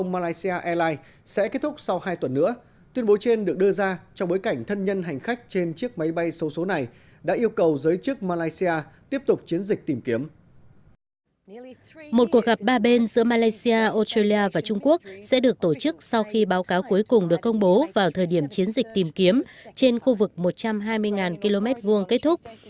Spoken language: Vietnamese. một cuộc gặp ba bên giữa malaysia australia và trung quốc sẽ được tổ chức sau khi báo cáo cuối cùng được công bố vào thời điểm chiến dịch tìm kiếm trên khu vực một trăm hai mươi km hai kết thúc